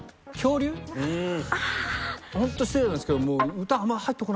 ホント失礼なんですけど。